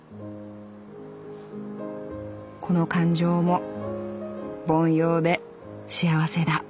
「この感情も凡庸で幸せだ」。